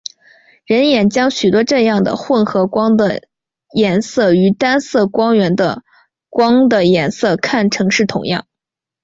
人眼将许多这样的混合光的颜色与单色光源的光的颜色看成是同样。